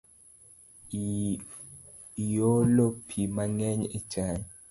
Iolo pii mangeny e chai